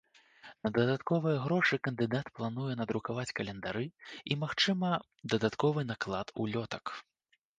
На дадатковыя грошы кандыдат плануе надрукаваць календары і, магчыма, дадатковы наклад улётак.